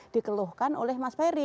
dikeluhkan oleh mas ferry